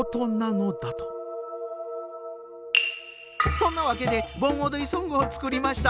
そんなわけで盆おどりソングを作りました。